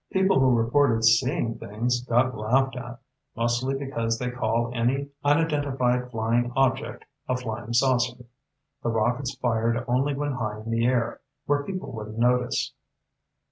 People who reported seeing things got laughed at, mostly because they call any unidentified flying object a flying saucer. The rockets fired only when high in the air, where people wouldn't notice."